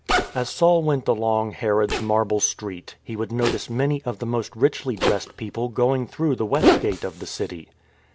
As Saul went along Herod's marble street he would notice many of the most richly dressed people going through the west gate of the city.